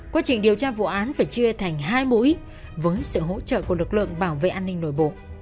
quá trình điều tra vụ án phải chia thành hai mũi với sự hỗ trợ của lực lượng bảo vệ an ninh nội bộ